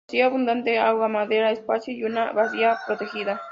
Poseía abundante agua, madera, espacio y una bahía protegida.